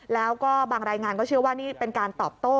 แล้วก็บางรายงานก็เชื่อว่านี่เป็นการตอบโต้